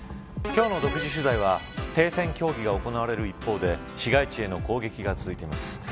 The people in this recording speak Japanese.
今日の独自取材は停戦協議が行われる一方で市街地への攻撃が続いています。